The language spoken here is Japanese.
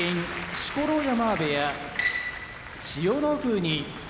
錣山部屋千代の国